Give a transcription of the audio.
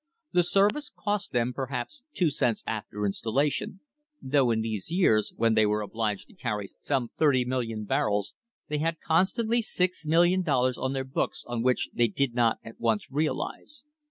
The service cost them perhaps two cents after installation, though in these years, when they were obliged to carry some 30,000,000 barrels, they had constantly $6,000,000 on their books on which they did not at once realise.